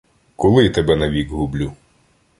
Коли тебе навік гублю?